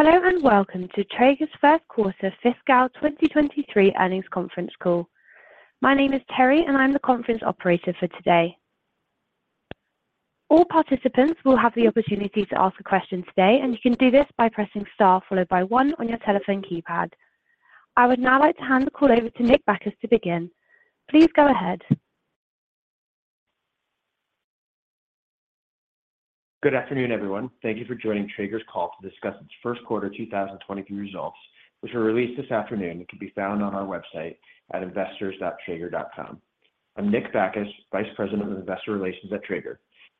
Hello and welcome to Traeger's first quarter fiscal 2023 earnings conference call. My name is Terry, and I'm the conference operator for today. All participants will have the opportunity to ask a question today, and you can do this by pressing star followed by one on your telephone keypad. I would now like to hand the call over to Nick Bacchus to begin. Please go ahead. Good afternoon, everyone. Thank you for joining Traeger's call to discuss its first quarter 2023 results, which were released this afternoon and can be found on our website at investors.traeger.com. I'm Nick Bacchus, Vice President of Investor Relations at Traeger.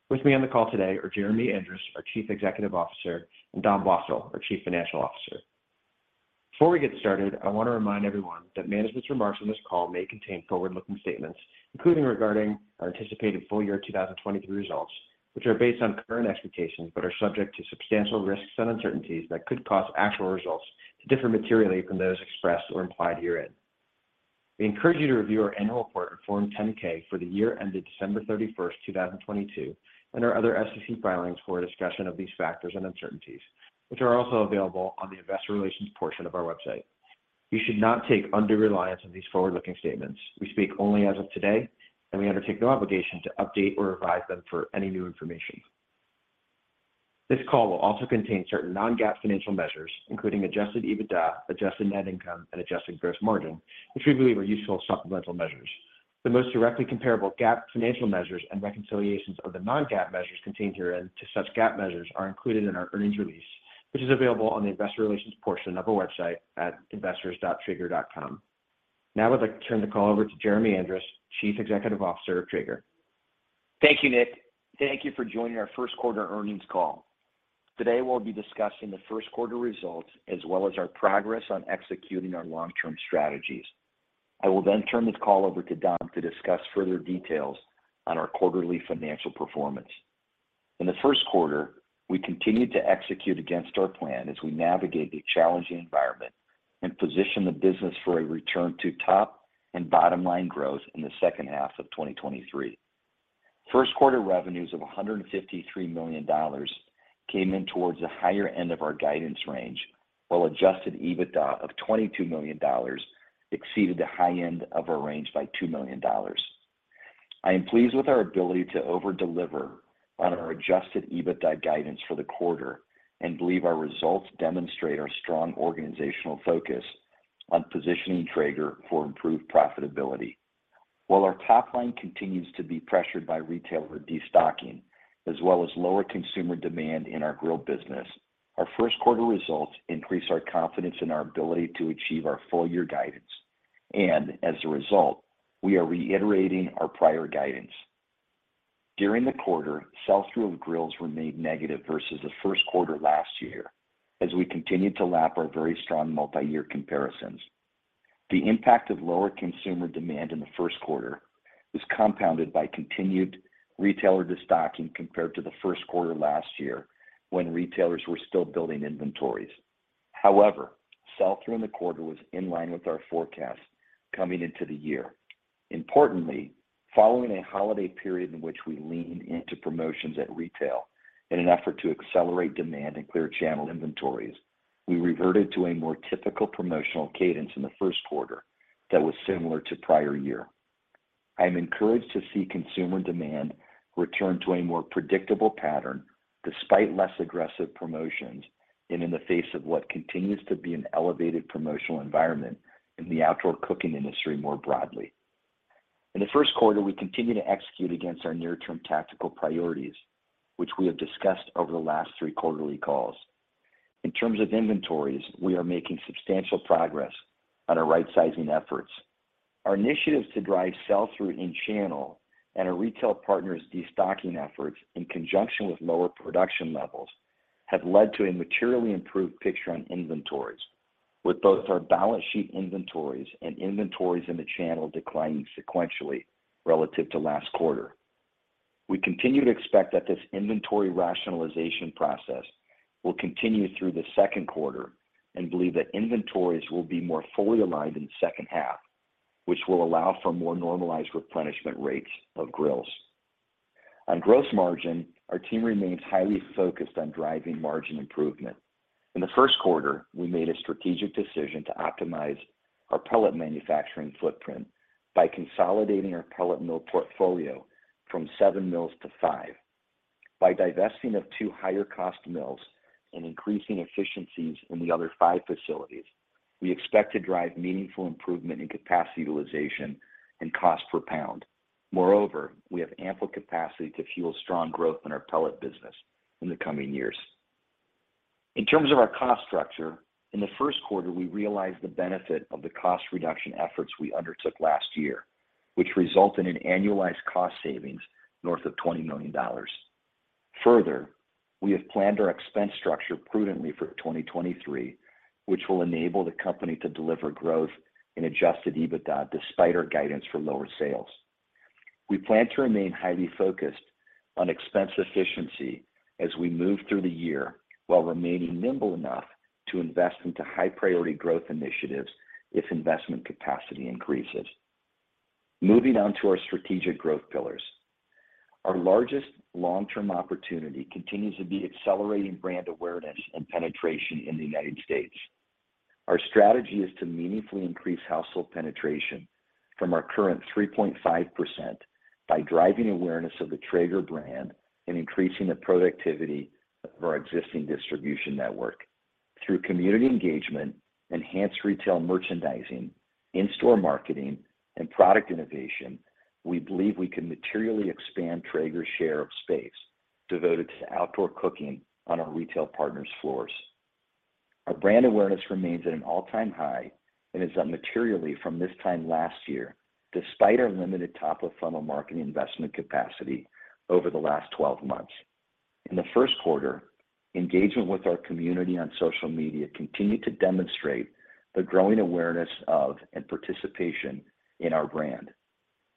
With me on the call today are Jeremy Andrus, our Chief Executive Officer, and Dom Blosil, our Chief Financial Officer. Before we get started, I want to remind everyone that management's remarks on this call may contain forward-looking statements, including regarding our anticipated full year 2023 results, which are based on current expectations but are subject to substantial risks and uncertainties that could cause actual results to differ materially from those expressed or implied herein. We encourage you to review our annual report on Form 10-K for the year ended December 31, 2022, and our other SEC filings for a discussion of these factors and uncertainties, which are also available on the investor relations portion of our website. You should not take under reliance on these forward-looking statements. We speak only as of today, and we undertake no obligation to update or revise them for any new information. This call will also contain certain non-GAAP financial measures, including Adjusted EBITDA, Adjusted Net Income, and adjusted gross margin, which we believe are useful supplemental measures. The most directly comparable GAAP financial measures and reconciliations of the non-GAAP measures contained herein to such GAAP measures are included in our earnings release, which is available on the investor relations portion of our website at investors.traeger.com. Now I'd like to turn the call over to Jeremy Andrus, Chief Executive Officer of Traeger. Thank you, Nick. Thank you for joining our first quarter earnings call. Today we'll be discussing the first quarter results as well as our progress on executing our long-term strategies. I will turn this call over to Dom to discuss further details on our quarterly financial performance. In the first quarter, we continued to execute against our plan as we navigate the challenging environment and position the business for a return to top and bottom line growth in the second half of 2023. First quarter revenues of $153 million came in towards the higher end of our guidance range, while Adjusted EBITDA of $22 million exceeded the high end of our range by $2 million. I am pleased with our ability to over deliver on our adjusted EBITDA guidance for the quarter and believe our results demonstrate our strong organizational focus on positioning Traeger for improved profitability. While our top line continues to be pressured by retailer destocking as well as lower consumer demand in our grill business, our first quarter results increase our confidence in our ability to achieve our full year guidance. As a result, we are reiterating our prior guidance. During the quarter, sell-through of grills remained negative versus the first quarter last year as we continued to lap our very strong multi-year comparisons. The impact of lower consumer demand in the first quarter was compounded by continued retailer destocking compared to the first quarter last year when retailers were still building inventories. However, sell-through in the quarter was in line with our forecast coming into the year. Importantly, following a holiday period in which we leaned into promotions at retail in an effort to accelerate demand and clear channel inventories, we reverted to a more typical promotional cadence in the first quarter that was similar to prior year. I am encouraged to see consumer demand return to a more predictable pattern despite less aggressive promotions and in the face of what continues to be an elevated promotional environment in the outdoor cooking industry more broadly. In the first quarter, we continued to execute against our near-term tactical priorities, which we have discussed over the last three quarterly calls. In terms of inventories, we are making substantial progress on our right-sizing efforts. Our initiatives to drive sell-through in channel and our retail partners' destocking efforts in conjunction with lower production levels have led to a materially improved picture on inventories, with both our balance sheet inventories and inventories in the channel declining sequentially relative to last quarter. We continue to expect that this inventory rationalization process will continue through the second quarter and believe that inventories will be more fully aligned in the second half, which will allow for more normalized replenishment rates of grills. On gross margin, our team remains highly focused on driving margin improvement. In the first quarter, we made a strategic decision to optimize our pellet manufacturing footprint by consolidating our pellet mill portfolio from seven mills to five. By divesting of two higher cost mills and increasing efficiencies in the other five facilities, we expect to drive meaningful improvement in capacity utilization and cost per pound. Moreover, we have ample capacity to fuel strong growth in our pellet business in the coming years. In terms of our cost structure, in the first quarter we realized the benefit of the cost reduction efforts we undertook last year, which result in an annualized cost savings north of $20 million. Further, we have planned our expense structure prudently for 2023, which will enable the company to deliver growth in adjusted EBITDA despite our guidance for lower sales. We plan to remain highly focused on expense efficiency as we move through the year while remaining nimble enough to invest into high priority growth initiatives if investment capacity increases. Moving on to our strategic growth pillars. Our largest long-term opportunity continues to be accelerating brand awareness and penetration in the United States. Our strategy is to meaningfully increase household penetration from our current 3.5% by driving awareness of the Traeger brand and increasing the productivity of our existing distribution network through community engagement, enhanced retail merchandising, in-store marketing, and product innovation, we believe we can materially expand Traeger's share of space devoted to outdoor cooking on our retail partners' floors. Our brand awareness remains at an all-time high and is up materially from this time last year, despite our limited top-of-funnel marketing investment capacity over the last 12 months. In the first quarter, engagement with our community on social media continued to demonstrate the growing awareness of and participation in our brand.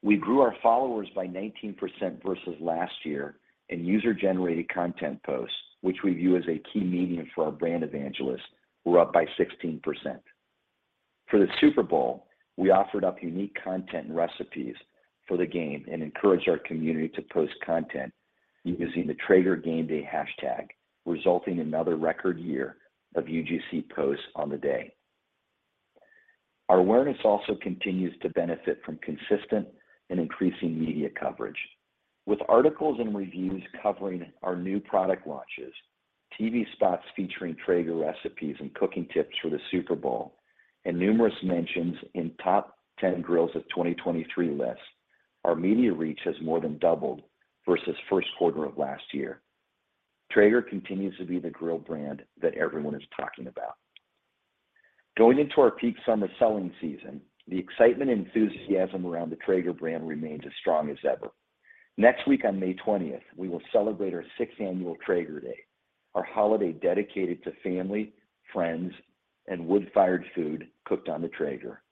We grew our followers by 19% versus last year, and user-generated content posts, which we view as a key medium for our brand evangelists, were up by 16%. For the Super Bowl, we offered up unique content and recipes for the game and encouraged our community to post content using the Traeger Game Day hashtag, resulting in another record year of UGC posts on the day. Our awareness also continues to benefit from consistent and increasing media coverage. With articles and reviews covering our new product launches, TV spots featuring Traeger recipes and cooking tips for the Super Bowl, and numerous mentions in top 10 grills of 2023 lists, our media reach has more than doubled versus first quarter of last year. Traeger continues to be the grill brand that everyone is talking about. Going into our peak summer selling season, the excitement and enthusiasm around the Traeger brand remains as strong as ever. Next week on May 20th, we will celebrate our sixth annual Traeger Day, our holiday dedicated to family, friends, and wood-fired food cooked on the Traeger.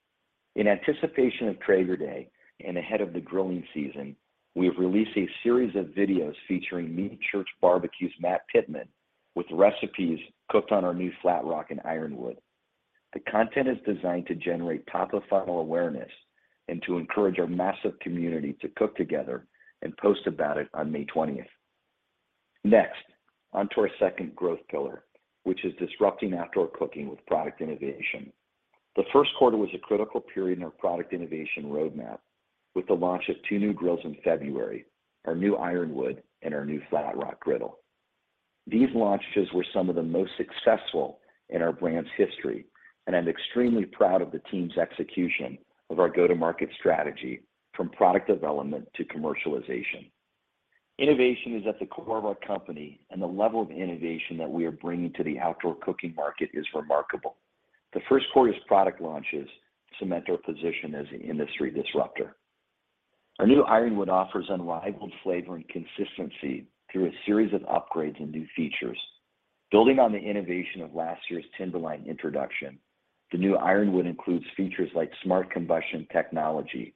In anticipation of Traeger Day and ahead of the grilling season, we have released a series of videos featuring Meat Church BBQ's Matt Pittman with recipes cooked on our new Flatrock and Ironwood. The content is designed to generate top-of-funnel awareness and to encourage our massive community to cook together and post about it on May 20th. Next, on to our second growth pillar, which is disrupting outdoor cooking with product innovation. The first quarter was a critical period in our product innovation roadmap with the launch of two new grills in February, our new Ironwood and our new Flatrock griddle. These launches were some of the most successful in our brand's history, and I'm extremely proud of the team's execution of our go-to-market strategy from product development to commercialization. Innovation is at the core of our company, and the level of innovation that we are bringing to the outdoor cooking market is remarkable. The first quarter's product launches cement our position as an industry disruptor. Our new Ironwood offers unrivaled flavor and consistency through a series of upgrades and new features. Building on the innovation of last year's Timberline introduction, the new Ironwood includes features like Smart Combustion technology,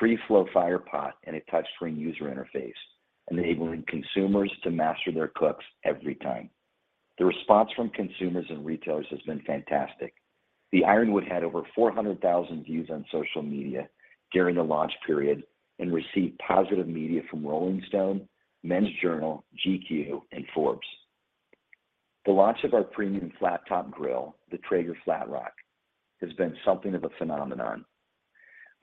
FreeFlow Firepot, and a touchscreen user interface, enabling consumers to master their cooks every time. The response from consumers and retailers has been fantastic. The Ironwood had over 400,000 views on social media during the launch period and received positive media from Rolling Stone, Men's Journal, GQ, and Forbes. The launch of our premium flat-top grill, the Traeger Flatrock, has been something of a phenomenon.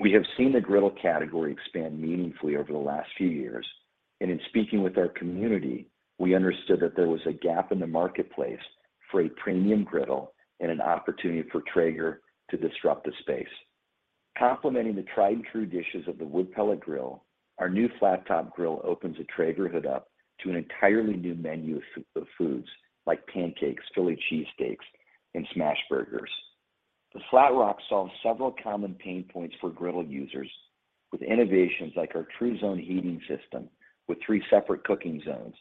We have seen the griddle category expand meaningfully over the last few years, and in speaking with our community, we understood that there was a gap in the marketplace for a premium griddle and an opportunity for Traeger to disrupt the space. Complementing the tried-and-true dishes of the wood pellet grill, our new flat-top grill opens the Traeger hood up to an entirely new menu of foods like pancakes, Philly cheesesteaks, and smash burgers. The Flatrock solves several common pain points for griddle users with innovations like our TruZone heating system with 3 separate cooking zones,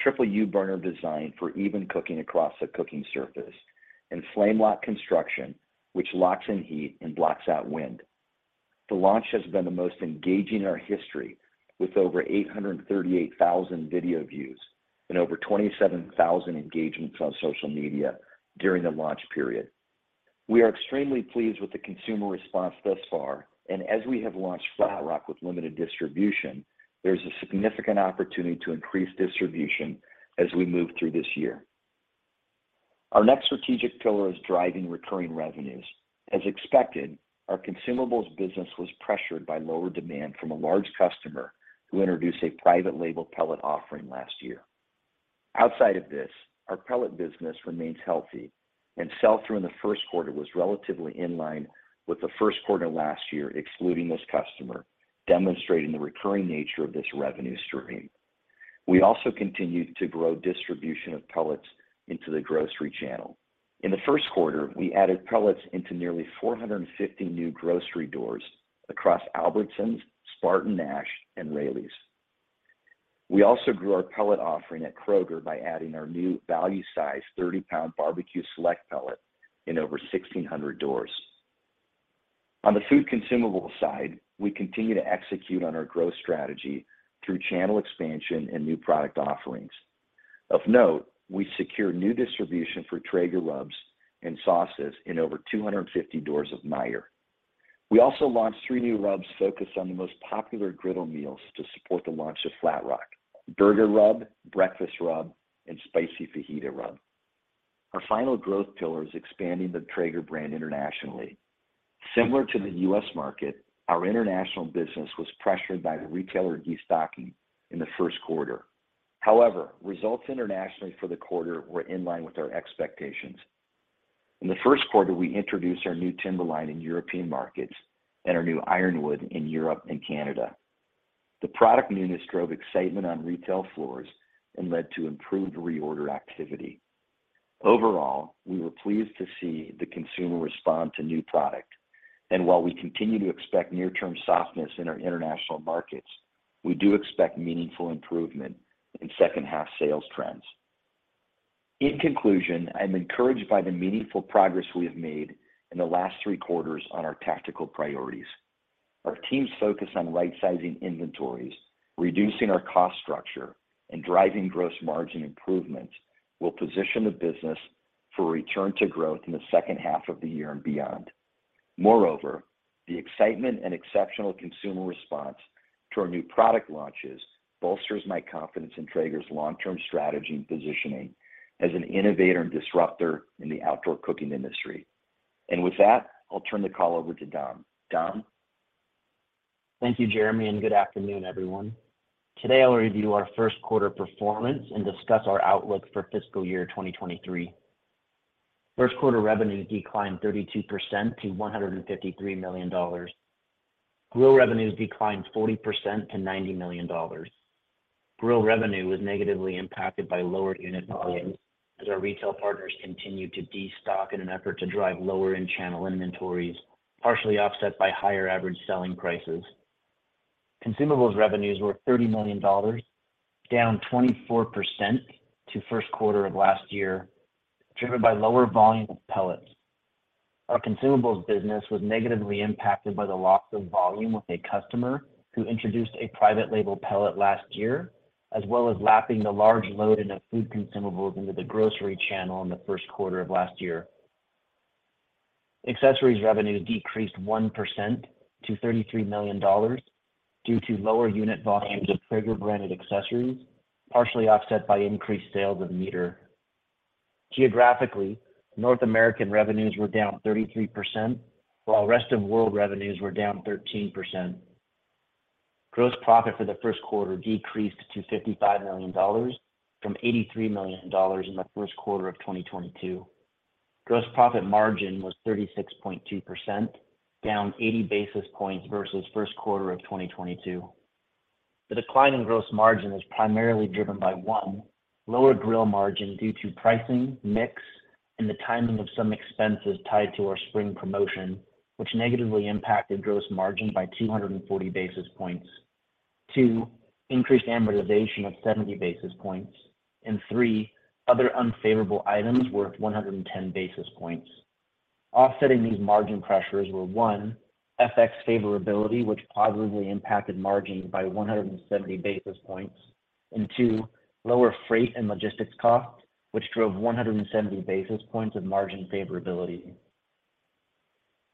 Triple U-Burner design for even cooking across the cooking surface, and FlameLock construction, which locks in heat and blocks out wind. The launch has been the most engaging in our history with over 838,000 video views and over 27,000 engagements on social media during the launch period. We are extremely pleased with the consumer response thus far, and as we have launched Flatrock with limited distribution, there's a significant opportunity to increase distribution as we move through this year. Our next strategic pillar is driving recurring revenues. As expected, our consumables business was pressured by lower demand from a large customer who introduced a private label pellet offering last year. Outside of this, our pellet business remains healthy and sell-through in the first quarter was relatively in line with the first quarter last year, excluding this customer, demonstrating the recurring nature of this revenue stream. We also continued to grow distribution of pellets into the grocery channel. In the first quarter, we added pellets into nearly 450 new grocery doors across Albertsons, SpartanNash, and Raley's. We also grew our pellet offering at Kroger by adding our new value-sized 30 lbs BBQ Select pellet in over 1,600 doors. On the food consumables side, we continue to execute on our growth strategy through channel expansion and new product offerings. Of note, we secure new distribution for Traeger rubs and sauces in over 250 doors of Meijer. We also launched three new rubs focused on the most popular griddle meals to support the launch of Flatrock: Burger Rub, Breakfast Rub, and Spicy Fajita Rub. Our final growth pillar is expanding the Traeger brand internationally. Similar to the U.S. market, our international business was pressured by the retailer destocking in the first quarter. Results internationally for the quarter were in line with our expectations. In the first quarter, we introduced our new Timberline in European markets and our new Ironwood in Europe and Canada. The product newness drove excitement on retail floors and led to improved reorder activity. We were pleased to see the consumer respond to new product. While we continue to expect near-term softness in our international markets, we do expect meaningful improvement in second half sales trends. In conclusion, I'm encouraged by the meaningful progress we have made in the last three quarters on our tactical priorities. Our team's focus on right-sizing inventories, reducing our cost structure, and driving gross margin improvement will position the business for a return to growth in the second half of the year and beyond. Moreover, the excitement and exceptional consumer response to our new product launches bolsters my confidence in Traeger's long-term strategy and positioning as an innovator and disruptor in the outdoor cooking industry. With that, I'll turn the call over to Dom. Dom? Thank you, Jeremy. Good afternoon, everyone. Today, I'll review our first quarter performance and discuss our outlook for fiscal year 2023. First quarter revenues declined 32% to $153 million. Grill revenues declined 40% to $90 million. Grill revenue was negatively impacted by lower unit volumes as our retail partners continued to destock in an effort to drive lower end channel inventories, partially offset by higher average selling prices. Consumables revenues were $30 million, down 24% to first quarter of last year, driven by lower volume of pellets. Our consumables business was negatively impacted by the loss of volume with a customer who introduced a private label pellet last year, as well as lapping the large load in of food consumables into the grocery channel in the first quarter of last year. Accessories revenues decreased 1% to $33 million due to lower unit volumes of Traeger-branded accessories, partially offset by increased sales of MEATER. Geographically, North American revenues were down 33%, while rest of world revenues were down 13%. Gross profit for the first quarter decreased to $55 million from $83 million in the first quarter of 2022. Gross profit margin was 36.2%, down 80 basis points versus first quarter of 2022. The decline in gross margin was primarily driven by, 1, lower grill margin due to pricing, mix, and the timing of some expenses tied to our spring promotion, which negatively impacted gross margin by 240 basis points. Two, increased amortization of 70 basis points. Three, other unfavorable items worth 110 basis points. Offsetting these margin pressures were, one, FX favorability, which positively impacted margin by 170 basis points. Two, lower freight and logistics costs, which drove 170 basis points of margin favorability.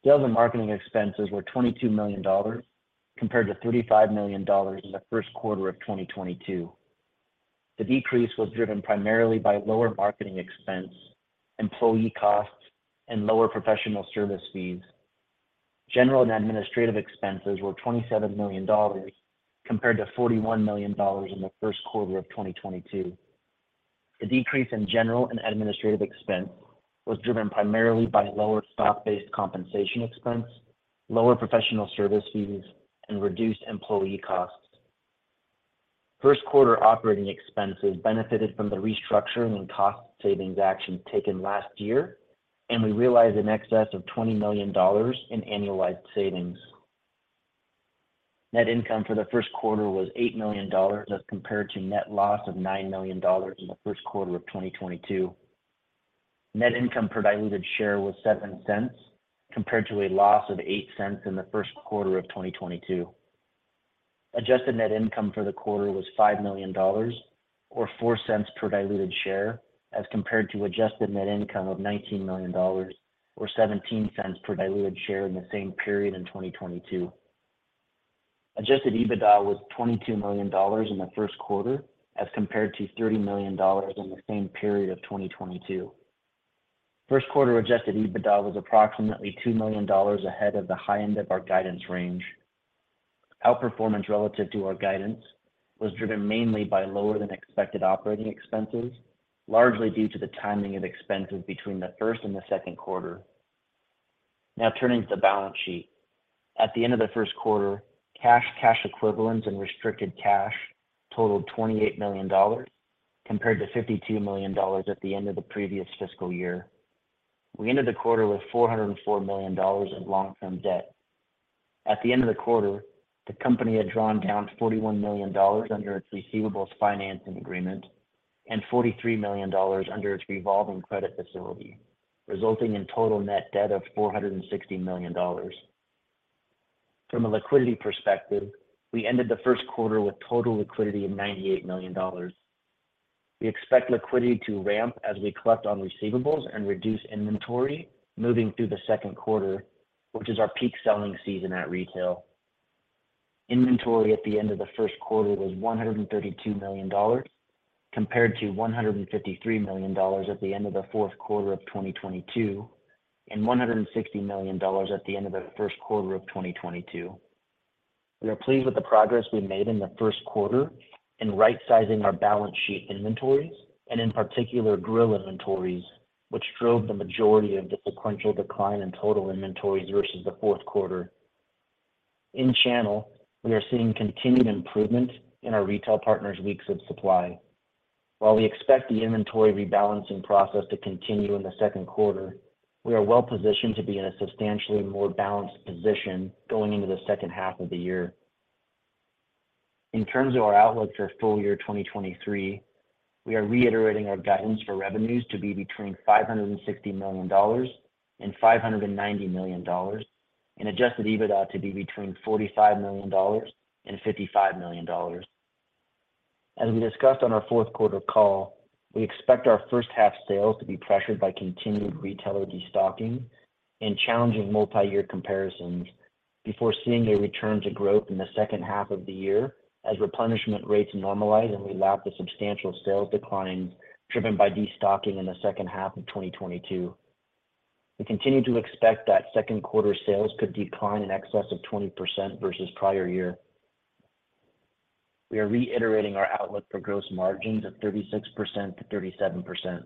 Sales and marketing expenses were $22 million compared to $35 million in the first quarter of 2022. The decrease was driven primarily by lower marketing expense, employee costs, and lower professional service fees. General and administrative expenses were $27 million compared to $41 million in the first quarter of 2022. The decrease in general and administrative expense was driven primarily by lower stock-based compensation expense, lower professional service fees, and reduced employee costs. First quarter operating expenses benefited from the restructuring and cost savings actions taken last year, and we realized in excess of $20 million in annualized savings. Net income for the first quarter was $8 million as compared to net loss of $9 million in the first quarter of 2022. Net income per diluted share was $0.07 compared to a loss of $0.08 in the first quarter of 2022. Adjusted Net Income for the quarter was $5 million or $0.04 per diluted share as compared to Adjusted Net Income of $19 million or $0.17 per diluted share in the same period in 2022. Adjusted EBITDA was $22 million in the first quarter as compared to $30 million in the same period of 2022. First quarter Adjusted EBITDA was approximately $2 million ahead of the high end of our guidance range. Outperformance relative to our guidance was driven mainly by lower than expected operating expenses, largely due to the timing of expenses between the first and second quarter. Turning to the balance sheet. At the end of the first quarter, cash equivalents, and restricted cash totaled $28 million compared to $52 million at the end of the previous fiscal year. We ended the quarter with $404 million of long-term debt. At the end of the quarter, the company had drawn down $41 million under its receivables financing agreement and $43 million under its revolving credit facility, resulting in total net debt of $460 million. From a liquidity perspective, we ended the first quarter with total liquidity of $98 million. We expect liquidity to ramp as we collect on receivables and reduce inventory moving through the second quarter, which is our peak selling season at retail. Inventory at the end of the first quarter was $132 million, compared to $153 million at the end of the fourth quarter of 2022, and $160 million at the end of the first quarter of 2022. We are pleased with the progress we made in the first quarter in right-sizing our balance sheet inventories, and in particular Grill inventories, which drove the majority of the sequential decline in total inventories versus the fourth quarter. In channel, we are seeing continued improvement in our retail partners weeks of supply. While we expect the inventory rebalancing process to continue in the second quarter, we are well positioned to be in a substantially more balanced position going into the second half of the year. In terms of our outlook for full year 2023, we are reiterating our guidance for revenues to be between $560 million and $590 million, and adjusted EBITDA to be between $45 million and $55 million. As we discussed on our fourth quarter call, we expect our first half sales to be pressured by continued retailer destocking and challenging multi-year comparisons before seeing a return to growth in the second half of the year as replenishment rates normalize and we lap the substantial sales declines driven by destocking in the second half of 2022. We continue to expect that second quarter sales could decline in excess of 20% versus prior year. We are reiterating our outlook for gross margins of 36%-37%,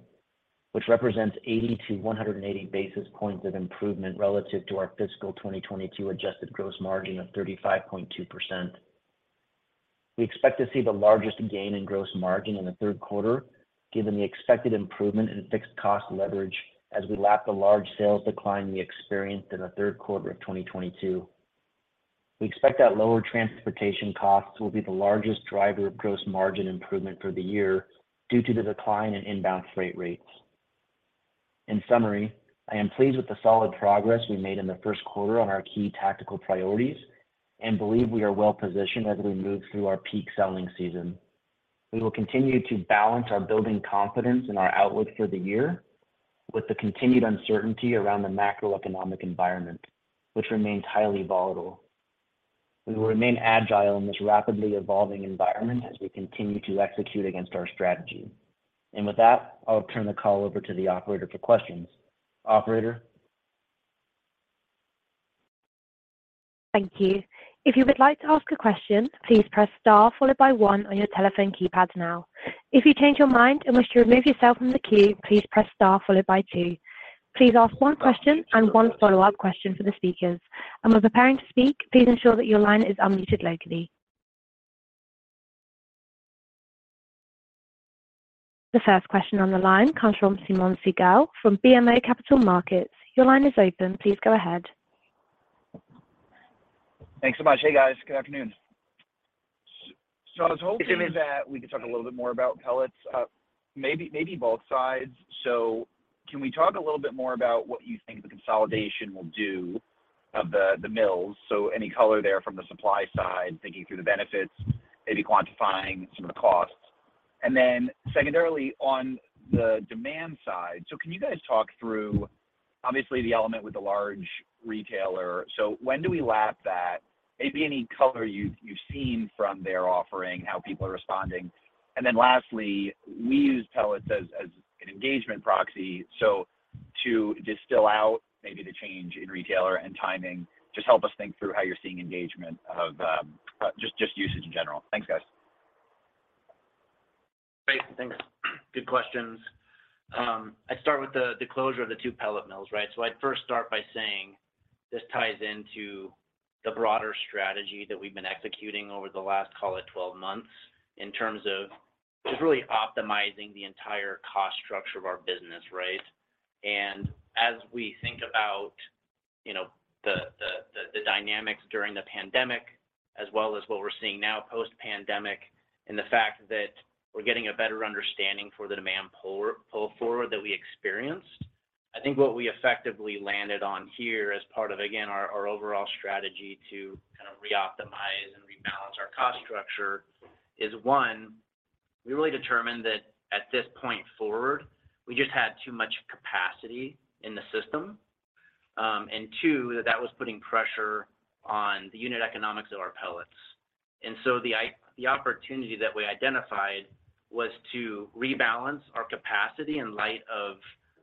which represents 80-180 basis points of improvement relative to our fiscal 2022 adjusted gross margin of 35.2%. We expect to see the largest gain in gross margin in the third quarter, given the expected improvement in fixed cost leverage as we lap the large sales decline we experienced in the third quarter of 2022. We expect that lower transportation costs will be the largest driver of gross margin improvement for the year due to the decline in inbound freight rates. In summary, I am pleased with the solid progress we made in the first quarter on our key tactical priorities and believe we are well positioned as we move through our peak selling season. We will continue to balance our building confidence in our outlook for the year with the continued uncertainty around the macroeconomic environment, which remains highly volatile. We will remain agile in this rapidly evolving environment as we continue to execute against our strategy. With that, I'll turn the call over to the operator for questions. Operator? Thank you. If you would like to ask a question, please press star followed by one on your telephone keypad now. If you change your mind and wish to remove yourself from the queue, please press star followed by two. Please ask one question and one follow-up question for the speakers. When preparing to speak, please ensure that your line is unmuted locally. The first question on the line comes from Simeon Siegel from BMO Capital Markets. Your line is open. Please go ahead. Thanks so much. Hey, guys. Good afternoon. I was hoping that we could talk a little bit more about pellets, maybe both sides. Can we talk a little bit more about what you think the consolidation will do of the mills? Any color there from the supply side, thinking through the benefits, maybe quantifying some of the costs. Secondarily, on the demand side. Can you guys talk through obviously the element with the large retailer. When do we lap that? Maybe any color you've seen from their offering, how people are responding. Lastly, we use pellets as an engagement proxy. To distill out maybe the change in retailer and timing, just help us think through how you're seeing engagement of just usage in general. Thanks, guys. Great. Thanks. Good questions. I'd start with the closure of the two pellet mills, right? I'd first start by saying this ties into the broader strategy that we've been executing over the last, call it, 12 months in terms of just really optimizing the entire cost structure of our business, right? As we think about, you know, the dynamics during the pandemic, as well as what we're seeing now post-pandemic, and the fact that we're getting a better understanding for the demand pull forward that we experienced. I think what we effectively landed on here as part of, again, our overall strategy to kind of reoptimize and rebalance our cost structure is, one, we really determined that at this point forward, we just had too much capacity in the system. Two, that was putting pressure on the unit economics of our pellets. So the opportunity that we identified was to rebalance our capacity in light of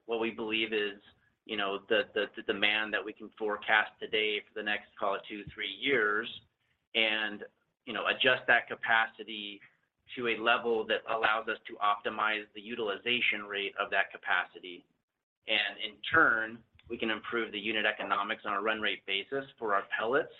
what we believe is, you know, the demand that we can forecast today for the next, call it, two, three years. You know, adjust that capacity to a level that allows us to optimize the utilization rate of that capacity. In turn, we can improve the unit economics on a run rate basis for our pellets,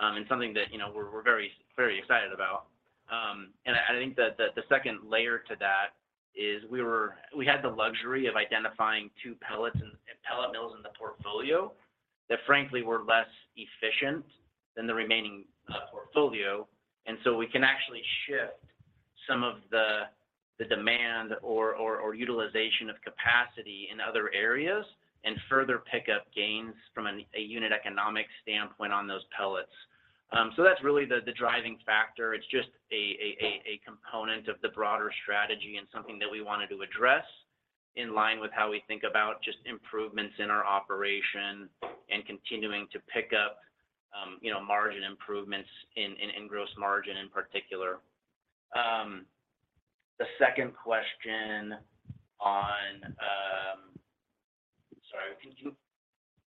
and something that, you know, we're very, very excited about. I think that the second layer to that is we had the luxury of identifying two pellets and pellet mills in the portfolio that frankly were less efficient than the remaining Portfolio. We can actually shift some of the demand or utilization of capacity in other areas and further pick up gains from a unit economic standpoint on those pellets. That's really the driving factor. It's just a component of the broader strategy and something that we wanted to address in line with how we think about just improvements in our operation and continuing to pick up, you know, margin improvements in gross margin in particular. The second question on... Sorry, could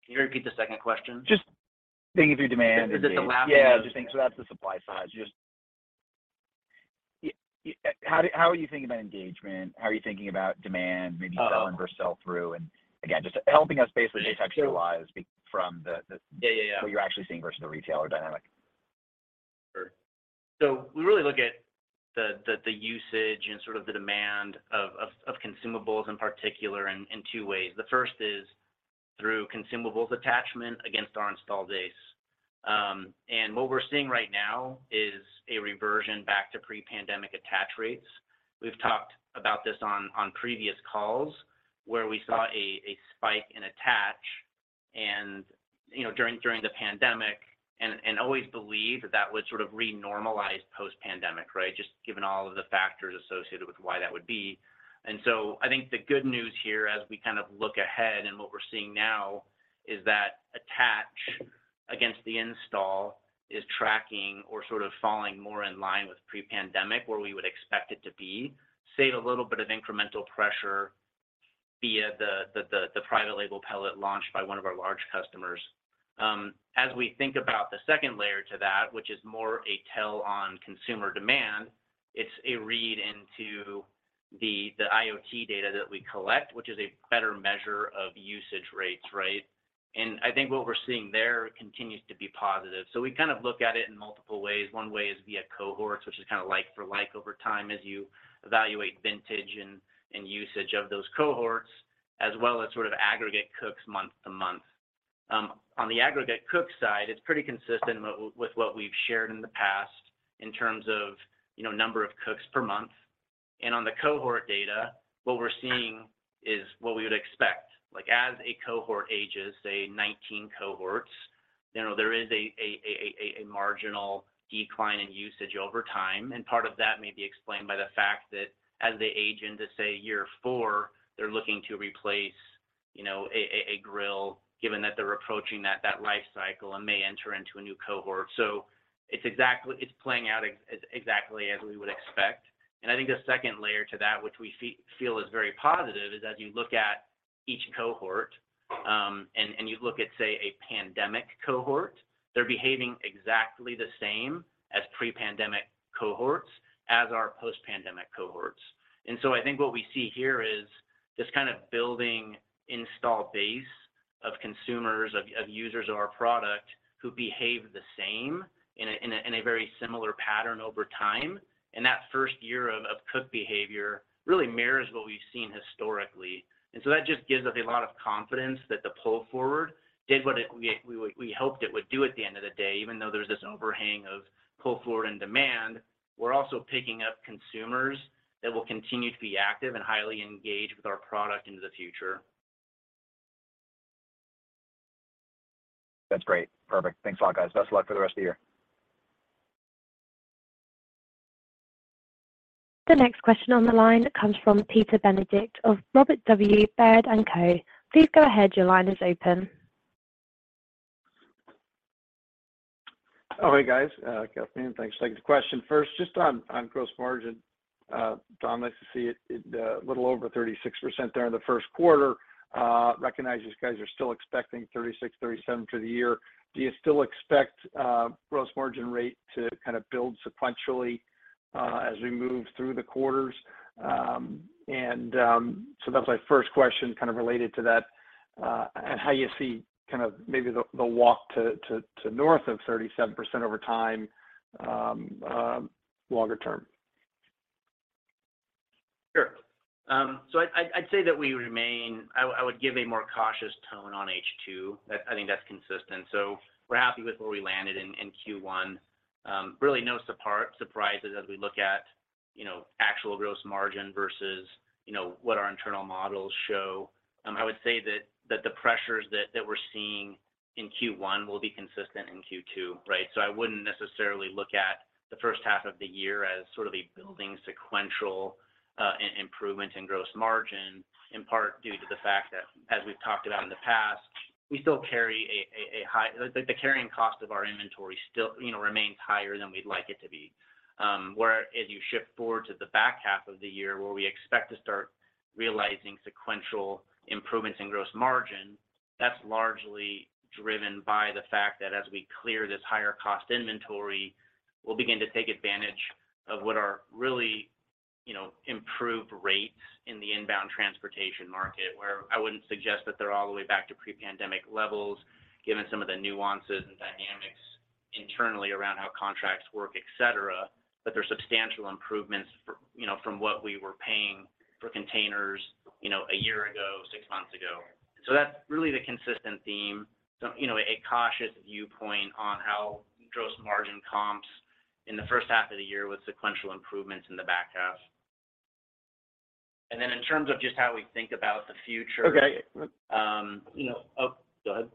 you repeat the second question? Just thinking through demand. Is it the last one? Yeah. That's the supply side. Just how are you thinking about engagement? How are you thinking about demand, maybe. Uh-huh Sell versus sell through? Again, just helping us basically contextualize from the. Yeah. Yeah. Yeah. What you're actually seeing versus the retailer dynamic. Sure. We really look at the usage and sort of the demand of consumables in particular in two ways. The first is through consumables attachment against our installed base. What we're seeing right now is a reversion back to pre-pandemic attach rates. We've talked about this on previous calls where we saw a spike in attach and, you know, during the pandemic and always believed that that would sort of re-normalize post-pandemic, right? Just given all of the factors associated with why that would be. I think the good news here as we kind of look ahead and what we're seeing now is that attach against the install is tracking or sort of falling more in line with pre-pandemic where we would expect it to be, save a little bit of incremental pressure via the private label pellet launched by one of our large customers. As we think about the second layer to that, which is more a tell on consumer demand, it's a read into the IoT data that we collect, which is a better measure of usage rates, right? I think what we're seeing there continues to be positive. We kind of look at it in multiple ways. One way is via cohorts, which is kind of like for like over time as you evaluate vintage and usage of those cohorts, as well as sort of aggregate cooks month-to-month. On the aggregate cooks side, it's pretty consistent with what we've shared in the past in terms of, you know, number of cooks per month. And on the cohort data, what we're seeing is what we would expect. Like, as a cohort ages, say 19 cohorts, you know, there is a marginal decline in usage over time, and part of that may be explained by the fact that as they age into, say, year four, they're looking to replace, you know, a grill given that they're approaching that life cycle and may enter into a new cohort. It's playing out exactly as we would expect. I think the second layer to that, which we feel is very positive, is as you look at each cohort, and you look at, say, a pandemic cohort, they're behaving exactly the same as pre-pandemic cohorts as our post-pandemic cohorts. I think what we see here is this kind of building install base of consumers, of users of our product who behave the same in a very similar pattern over time. That first year of cook behavior really mirrors what we've seen historically. That just gives us a lot of confidence that the pull forward did what we hoped it would do at the end of the day. Even though there's this overhang of pull forward and demand, we're also picking up consumers that will continue to be active and highly engaged with our product into the future. That's great. Perfect. Thanks a lot, guys. Best of luck for the rest of the year. The next question on the line comes from Peter Benedict of Robert W. Baird & Co. Please go ahead, your line is open. Hey, guys. Kathleen, thanks. Second question first, just on gross margin. Dom, nice to see it a little over 36% there in the first quarter. Recognize you guys are still expecting 36%-37% for the year. Do you still expect gross margin rate to kind of build sequentially as we move through the quarters? So that's my first question kind of related to that, and how you see kind of maybe the walk to north of 37% over time, longer term. Sure. I'd say that we remain. I would give a more cautious tone on H2. I think that's consistent. We're happy with where we landed in Q1. Really no surprises as we look at, you know, actual gross margin versus, you know, what our internal models show. I would say that the pressures that we're seeing in Q1 will be consistent in Q2, right? I wouldn't necessarily look at the first half of the year as sort of a building sequential improvement in gross margin, in part due to the fact that, as we've talked about in the past, we still carry the carrying cost of our inventory still, you know, remains higher than we'd like it to be. Where as you shift forward to the back half of the year where we expect to start realizing sequential improvements in gross margin, that's largely driven by the fact that as we clear this higher cost inventory, we'll begin to take advantage of what are really, you know, improved rates in the inbound transportation market. I wouldn't suggest that they're all the way back to pre-pandemic levels given some of the nuances and dynamics internally around how contracts work, et cetera. There's substantial improvements for, you know, from what we were paying for containers. You know, one year ago, six months ago. That's really the consistent theme. You know, a cautious viewpoint on how gross margin comps in the first half of the year with sequential improvements in the back half. In terms of just how we think about the future. Okay. You know... Oh, go ahead.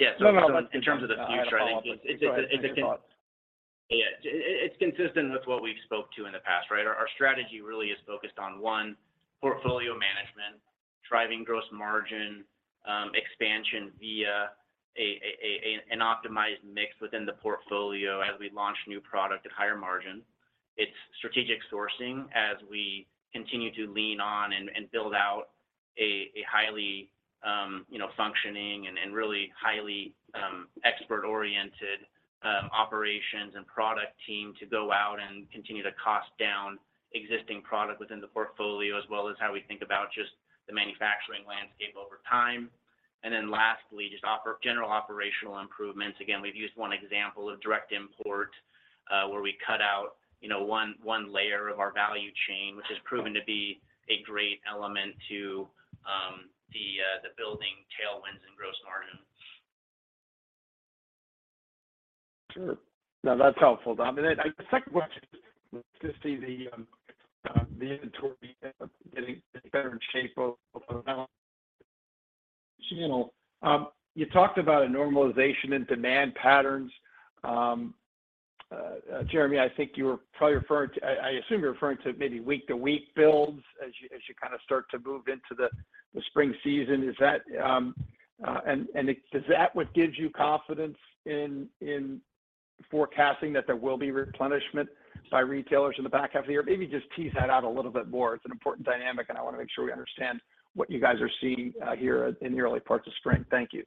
Yeah. No, no. In terms of the future, I think it's. Go ahead with your thoughts. Yeah. It's consistent with what we've spoke to in the past, right? Our strategy really is focused on, one, portfolio management, driving gross margin expansion via an optimized mix within the portfolio as we launch new product at higher margin. It's strategic sourcing as we continue to lean on and build out a highly, you know, functioning and really highly, expert oriented, operations and product team to go out and continue to cost down existing product within the portfolio, as well as how we think about just the manufacturing landscape over time. Lastly, general operational improvements. Again, we've used one example of direct import, where we cut out, you know, one layer of our value chain. Mm-hmm. Which has proven to be a great element to the building tailwinds and gross margin. Sure. No, that's helpful, Dom. A second question, just to see the inventory getting better in shape over the channel. You talked about a normalization in demand patterns. Jeremy, I think you were probably referring to I assume you're referring to maybe week-to-week builds as you kind of start to move into the spring season. Is that what gives you confidence in forecasting that there will be replenishment by retailers in the back half of the year? Maybe just tease that out a little bit more. It's an important dynamic, and I want to make sure we understand what you guys are seeing, here in the early parts of spring. Thank you.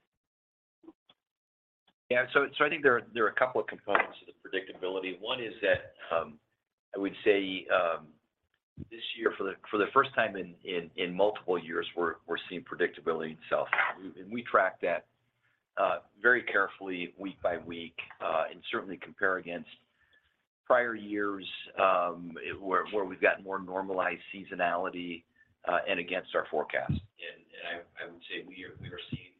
I think there are a couple of components to the predictability. One is that I would say this year for the first time in multiple years, we're seeing predictability itself. We track that very carefully week by week, and certainly compare against prior years, where we've got more normalized seasonality, and against our forecast. I would say we are seeing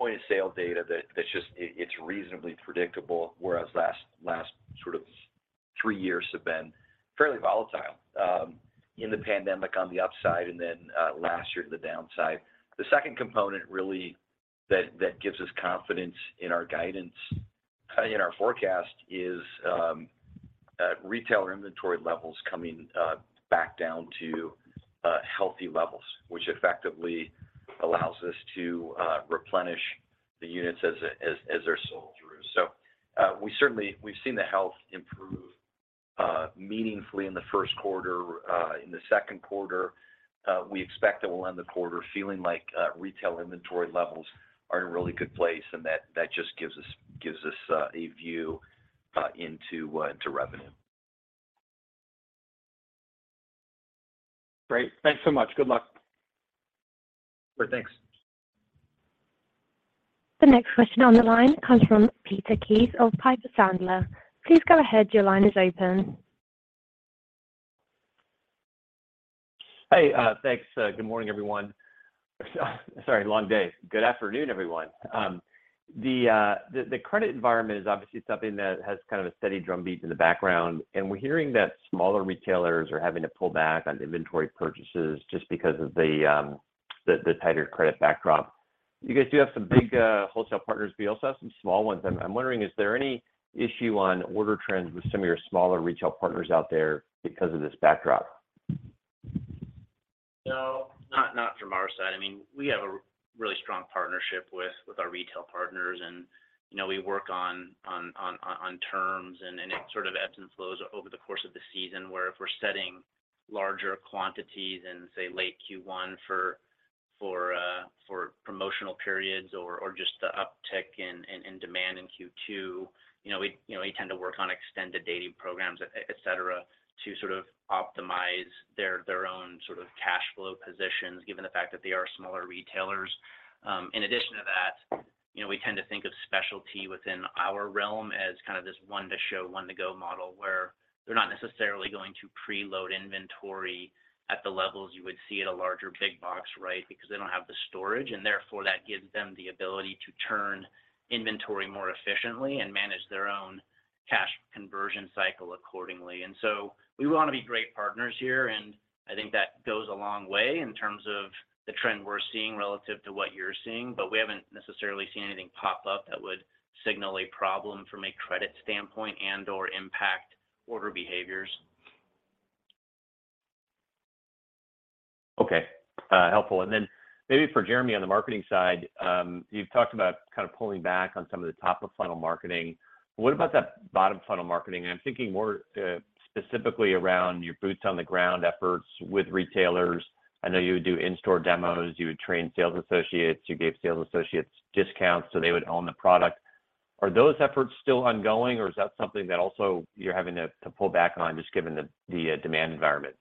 point of sale data that's just. It's reasonably predictable, whereas last sort of three years have been fairly volatile, in the pandemic on the upside and last year on the downside. The second component really that gives us confidence in our guidance, in our forecast is retailer inventory levels coming back down to healthy levels, which effectively allows us to replenish the units as they're sold through. We've seen the health improve meaningfully in the first quarter. In the second quarter, we expect that we'll end the quarter feeling like retail inventory levels are in a really good place, and that just gives us a view into revenue. Great. Thanks so much. Good luck. Sure, thanks. The next question on the line comes from Peter Keith of Piper Sandler. Please go ahead. Your line is open. Hey. Thanks. Good morning, everyone. Sorry, long day. Good afternoon, everyone. The, the credit environment is obviously something that has kind of a steady drumbeat in the background, and we're hearing that smaller retailers are having to pull back on inventory purchases just because of the tighter credit backdrop. You guys do have some big wholesale partners, but you also have some small ones. I'm wondering, is there any issue on order trends with some of your smaller retail partners out there because of this backdrop? No, not from our side. I mean, we have a really strong partnership with our retail partners and, you know, we work on terms and it sort of ebbs and flows over the course of the season, where if we're setting larger quantities in, say, late Q1 for promotional periods or just the uptick in demand in Q2, you know, we tend to work on extended dating programs, et cetera, to sort of optimize their own sort of cash flow positions given the fact that they are smaller retailers. In addition to that, you know, we tend to think of specialty within our realm as kind of this one-to-show, one-to-go model, where they're not necessarily going to preload inventory at the levels you would see at a larger big box, right? They don't have the storage, and therefore that gives them the ability to turn inventory more efficiently and manage their own cash conversion cycle accordingly. We want to be great partners here, and I think that goes a long way in terms of the trend we're seeing relative to what you're seeing. We haven't necessarily seen anything pop up that would signal a problem from a credit standpoint and/or impact order behaviors. Okay. helpful. Then maybe for Jeremy on the marketing side, you've talked about kind of pulling back on some of the top-of-funnel marketing. What about that bottom-funnel marketing? I'm thinking more specifically around your boots on the ground efforts with retailers. I know you would do in-store demos, you would train sales associates, you gave sales associates discounts, so they would own the product. Are those efforts still ongoing, or is that something that also you're having to pull back on just given the demand environment?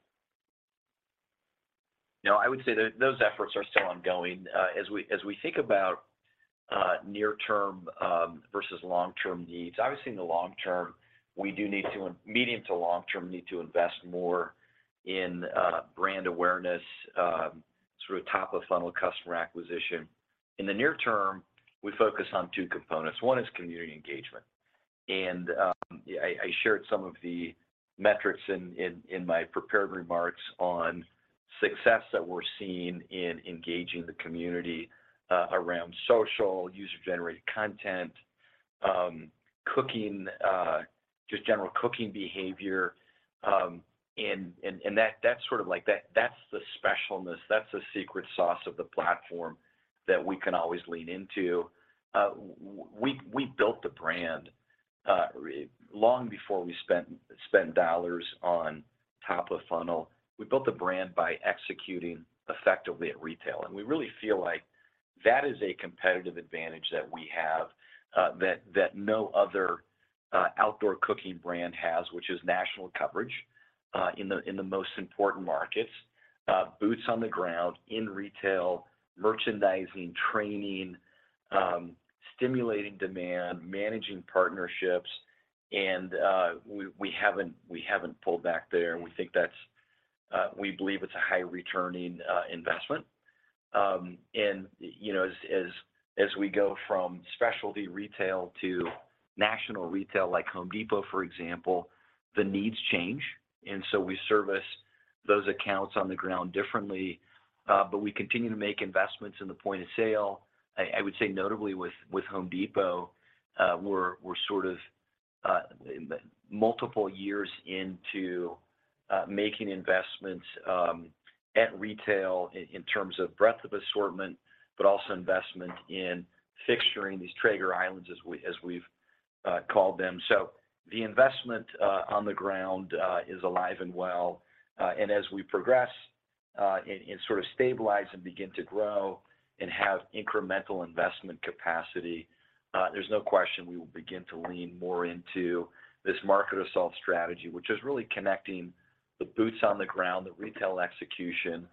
No, I would say that those efforts are still ongoing. As we think about near term versus long term needs, obviously in the long term, medium to long term, need to invest more in brand awareness through a top of funnel customer acquisition. In the near term, we focus on two components. One is community engagement. Yeah, I shared some of the metrics in my prepared remarks on success that we're seeing in engaging the community around social, user-generated content, cooking, just general cooking behavior. And that's sort of like that's the specialness, that's the secret sauce of the platform that we can always lean into. We built the brand long before we spent dollars on top of funnel. We built the brand by executing effectively at retail, we really feel like that is a competitive advantage that we have, that no other outdoor cooking brand has, which is national coverage in the most important markets, boots on the ground in retail, merchandising, training, stimulating demand, managing partnerships, we haven't pulled back there. We believe it's a high returning investment. You know, as we go from specialty retail to national retail, like Home Depot, for example, the needs change. We service those accounts on the ground differently, but we continue to make investments in the point of sale. I would say notably with Home Depot, we're sort of multiple years into making investments at retail in terms of breadth of assortment, but also investment in fixturing these Traeger islands as we've called them. The investment on the ground is alive and well. As we progress and sort of stabilize and begin to grow and have incremental investment capacity, there's no question we will begin to lean more into this market assault strategy, which is really connecting the boots on the ground, the retail execution,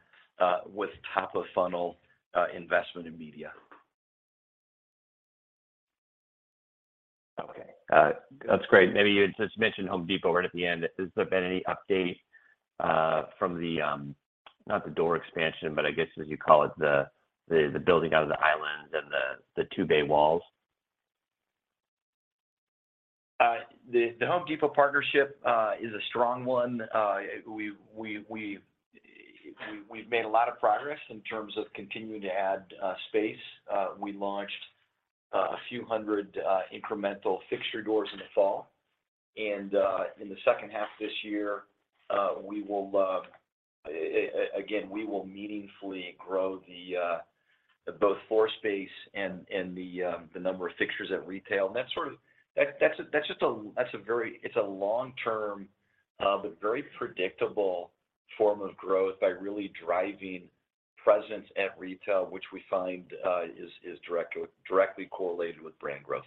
with top of funnel investment in media. Okay. That's great. Maybe you had just mentioned Home Depot right at the end. Has there been any update, from the, not the door expansion, but I guess as you call it, the, the building out of the islands and the two bay walls? The Home Depot partnership is a strong one. We've made a lot of progress in terms of continuing to add space. We launched a few hundred incremental fixture doors in the fall. In the second half this year, we will again meaningfully grow both floor space and the number of fixtures at retail. That's just a, that's a very, it's a long-term, but very predictable form of growth by really driving presence at retail, which we find is directly correlated with brand growth.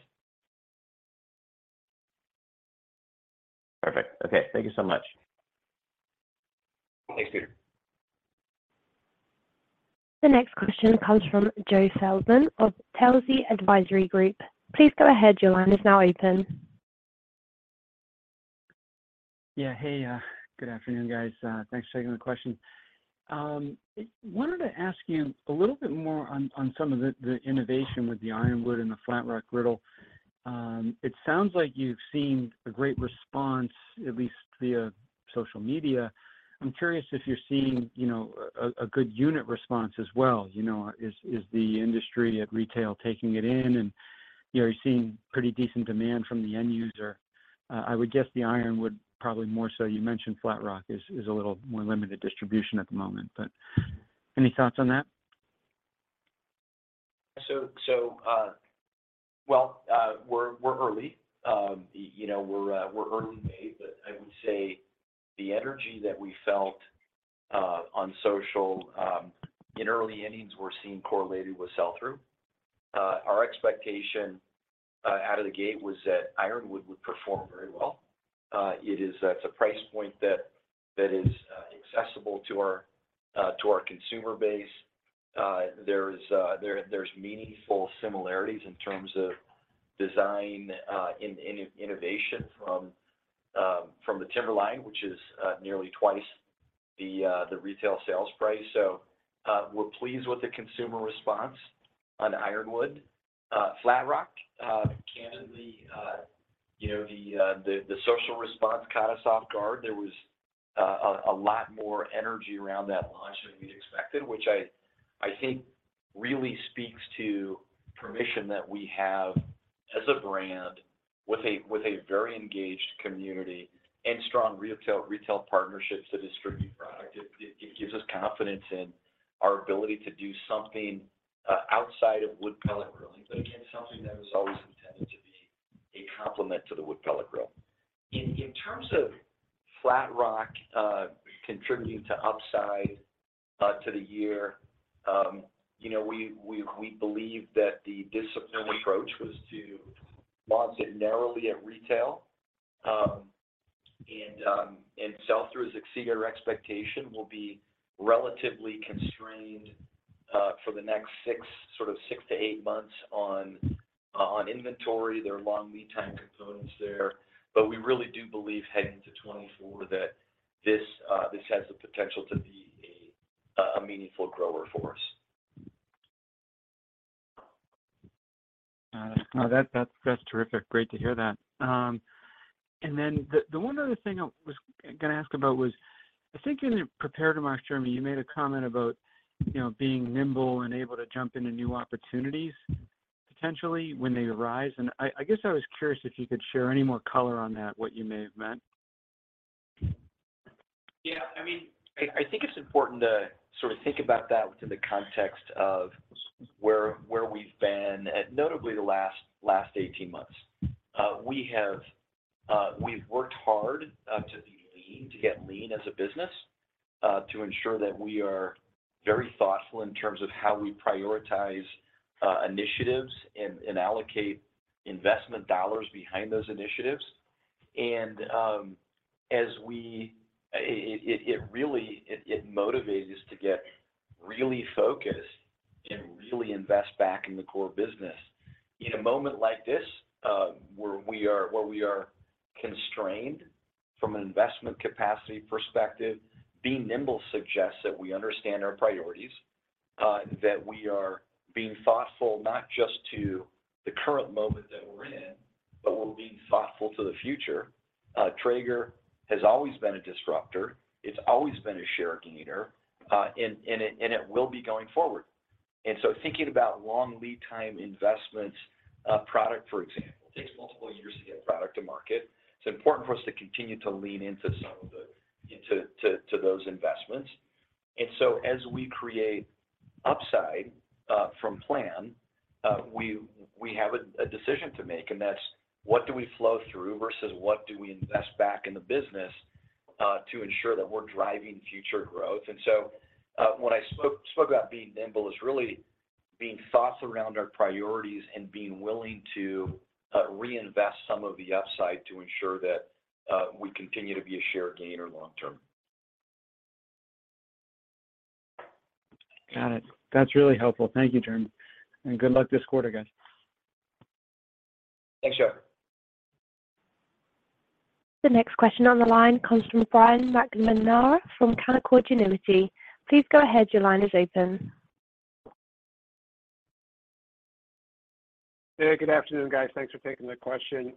Perfect. Okay. Thank you so much. Thanks, Peter. The next question comes from Joe Feldman of Telsey Advisory Group. Please go ahead. Your line is now open. Yeah. Hey, good afternoon, guys. Thanks for taking the question. Wanted to ask you a little bit more on some of the innovation with the Ironwood and the Flatrock Griddle. It sounds like you've seen a great response, at least via social media. I'm curious if you're seeing, you know, a good unit response as well. You know, is the industry at retail taking it in? You know, are you seeing pretty decent demand from the end user? I would guess the Ironwood probably more so. You mentioned Flatrock is a little more limited distribution at the moment. Any thoughts on that? Well, we're early. You know, we're early May, I would say the energy that we felt on social in early innings were seen correlated with sell-through. Our expectation out of the gate was that Ironwood would perform very well. It is at a price point that is accessible to our consumer base. There's meaningful similarities in terms of design in innovation from the Timberline, which is nearly twice the retail sales price. We're pleased with the consumer response on Ironwood. Flatrock, candidly, you know, the social response caught us off guard. There was a lot more energy around that launch than we expected, which I think really speaks to permission that we have as a brand with a very engaged community and strong retail partnerships to distribute product. It gives us confidence in our ability to do something outside of wood pellet grilling, but again, something that was always intended to be a complement to the wood pellet grill. In terms of Flatrock contributing to upside to the year, you know, we believe that the disciplined approach was to launch it narrowly at retail. Sell-throughs exceed our expectation will be relatively constrained for the next six, sort of six to eight months on inventory. There are long lead time components there. We really do believe heading to 2024 that this has the potential to be a meaningful grower for us. No, that's terrific. Great to hear that. Then the one other thing I was gonna ask about was I think in the prepared remarks, Jeremy, you made a comment about, you know, being nimble and able to jump into new opportunities potentially when they arise. I guess I was curious if you could share any more color on that, what you may have meant. Yeah. I mean, I think it's important to sort of think about that within the context of where we've been at notably the last 18 months. We have, we've worked hard to be lean, to get lean as a business, to ensure that we are very thoughtful in terms of how we prioritize initiatives and allocate investment dollars behind those initiatives. It really motivates us to get really focused and really invest back in the core business. In a moment like this, where we are constrained from an investment capacity perspective, being nimble suggests that we understand our priorities, that we are being thoughtful not just to the current moment that we're in, but we're being thoughtful to the future. Traeger has always been a disruptor. It's always been a share gainer, and it will be going forward. Thinking about long lead time investments, product, for example, takes multiple years to get product to market. It's important for us to continue to lean into some of those investments. As we create upside from plan, we have a decision to make, and that's what do we flow through versus what do we invest back in the business to ensure that we're driving future growth. When I spoke about being nimble is really being thoughts around our priorities and being willing to reinvest some of the upside to ensure that we continue to be a share gainer long term. Got it. That's really helpful. Thank you, Jeremy. Good luck this quarter, guys. Thanks, Joe. The next question on the line comes from Brian McNamara from Canaccord Genuity. Please go ahead. Your line is open. Good afternoon, guys. Thanks for taking the question.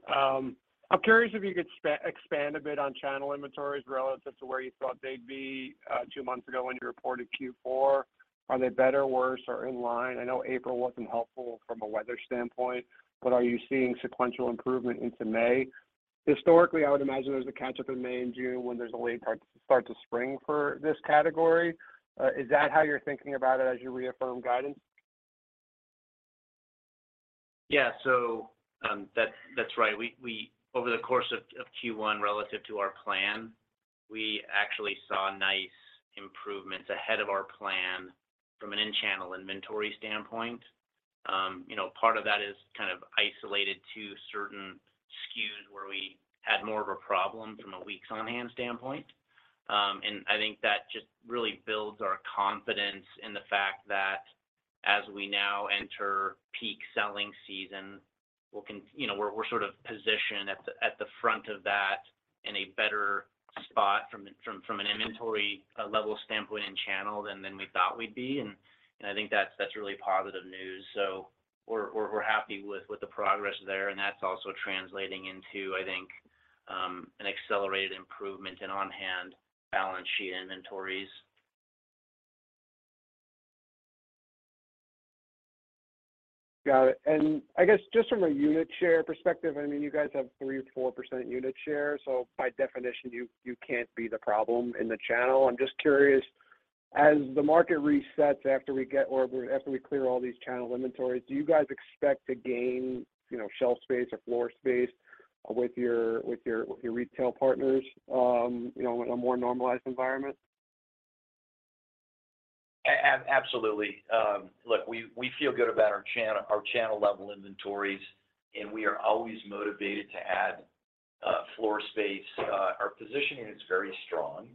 I'm curious if you could expand a bit on channel inventories relative to where you thought they'd be, two months ago when you reported Q4. Are they better, worse, or in line? I know April wasn't helpful from a weather standpoint, but are you seeing sequential improvement into May? Historically, I would imagine there's a catch-up in May and June when there's a late start to spring for this category. Is that how you're thinking about it as you reaffirm guidance? That's right. We over the course of Q1 relative to our plan, we actually saw nice improvements ahead of our plan from an in-channel inventory standpoint. You know, part of that is kind of isolated to certain SKUs where we had more of a problem from a weeks on hand standpoint. I think that just really builds our confidence in the fact that as we now enter peak selling season, we can, you know, we're sort of positioned at the front of that in a better spot from an inventory level standpoint and channel than we thought we'd be. And I think that's really positive news. We're happy with the progress there, and that's also translating into, I think, an accelerated improvement in on-hand balance sheet inventories. Got it. I guess just from a unit share perspective, I mean, you guys have 3%-4% unit share, so by definition, you can't be the problem in the channel. I'm just curious, as the market resets after we clear all these channel inventories, do you guys expect to gain, you know, shelf space or floor space with your retail partners, you know, in a more normalized environment? Absolutely. Look, we feel good about our channel, our channel level inventories. We are always motivated to add floor space. Our positioning is very strong,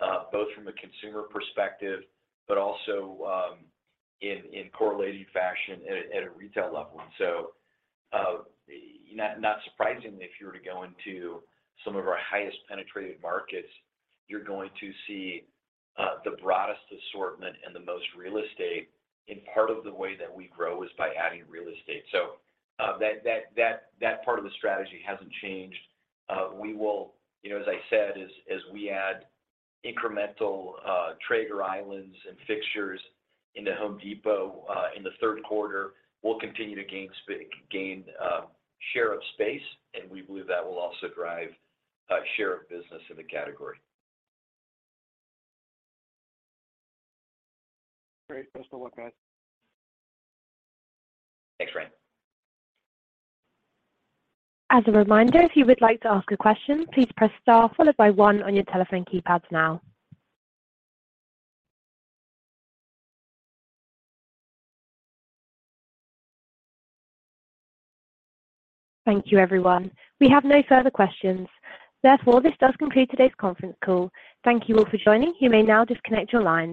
both from a consumer perspective, but also in correlated fashion at a retail level. Not surprisingly, if you were to go into some of our highest penetrated markets, you're going to see the broadest assortment and the most real estate. Part of the way that we grow is by adding real estate. That part of the strategy hasn't changed. We will, you know, as I said, as we add incremental Traeger islands and fixtures into The Home Depot, in the third quarter, we'll continue to gain share of space, and we believe that will also drive share of business in the category. Great. Thanks for the look, guys. Thanks, Brian. As a reminder, if you would like to ask a question, please press star followed by one on your telephone keypad now. Thank you, everyone. We have no further questions. Therefore, this does conclude today's conference call. Thank you all for joining. You may now disconnect your lines.